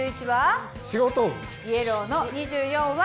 イエローの２４は？